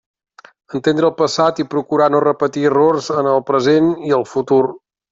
Entendre el passat i procurar no repetir errors en el present i el futur.